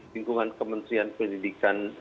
lingkungan kementerian pendidikan